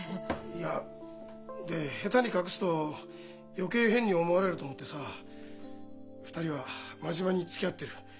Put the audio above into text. いや下手に隠すと余計変に思われると思ってさ「２人は真面目につきあってる。